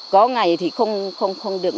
có ngày thì không được